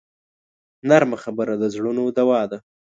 نرمه خبره د زړونو دوا ده